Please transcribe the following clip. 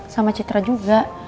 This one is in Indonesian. sama citra juga